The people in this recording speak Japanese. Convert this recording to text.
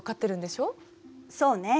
そうね。